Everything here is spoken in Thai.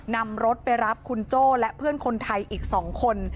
นำรถไปรับคุณโจ้และเพื่อนคนไทยอีก๒คน